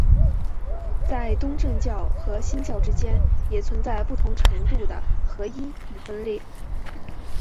在东正教和新教之间也存在不同程度的合一与分裂。